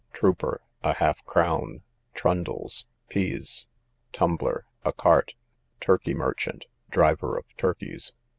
Trooper, a half crown. Trundles, pease. Tumbler, a cart. Turkey merchant, driver of turkeys.